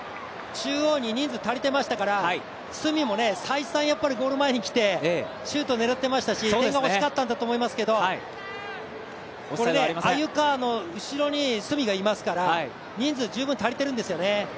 中央に人数足りてましたから角も再三ゴール前にきてゴールを狙ってましたし点が欲しかったんだと思いますけどこれで鮎川の後ろに角がいますから人数十分足りてるんですよね。